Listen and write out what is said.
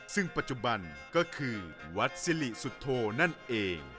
ซึ่งปัจจุบันก็คือวัดสิริสุโธนั่นเอง